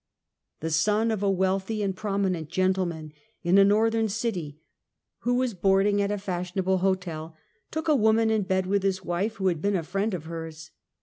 A son of a wealthy and prominent gentleman in a northern city, who was boarding at a fashionable hotel, took a woman in bed with his wife who had been a friend of hers.